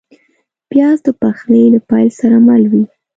پیاز د پخلي له پیل سره مل وي